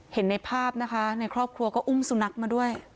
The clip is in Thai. เห็นในภาพนะคะในครอบครัวก็อุ้มสุนัขมาด้วย